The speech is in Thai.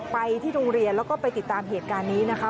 ไปที่โรงเรียนแล้วก็ไปติดตามเหตุการณ์นี้นะคะ